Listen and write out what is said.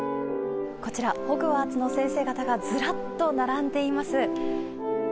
こちら、ホグワーツの先生方がずらっと並んでいます。